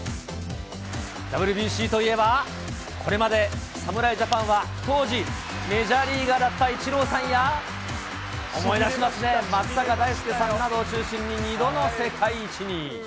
ＷＢＣといえば、これまで侍ジャパンは当時メジャーリーガーだったイチローさんや、思い出しますね、まつざかだいすけさんなどを中心に２度の世界一に。